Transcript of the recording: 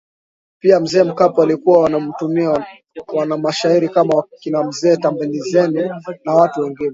Pia Mzee Mkapa walikuwa wanawatumia wanamashairi kama wakina Mzee Tambalizeni na watu wengine